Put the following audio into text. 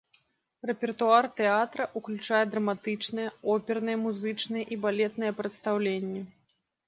Рэпертуар тэатра ўключае драматычныя, оперныя, музычныя і балетныя прадстаўленні.